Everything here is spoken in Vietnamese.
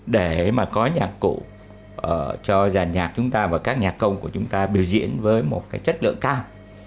để mà có nhạc cụ cho giàn nhạc chúng ta và các nhạc công của chúng ta biểu diễn với một cái chất lượng cao